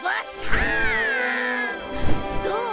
どう？